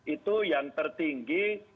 itu yang tertinggi